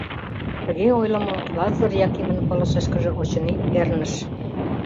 Тыге ойлымо Лазыр Якимын пылышышкыже, очыни, перныш.